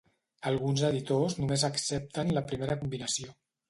Alguns editors només accepten la primera combinació.